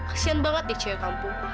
kesian banget deh cewek kampung